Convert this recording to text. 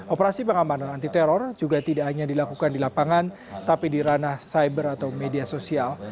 operasi pengamanan anti teror juga tidak hanya dilakukan di lapangan tapi di ranah cyber atau media sosial